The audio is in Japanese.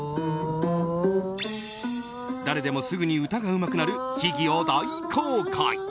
誰でもすぐに歌がうまくなる秘技を大公開。